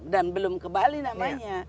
dan belum ke bali namanya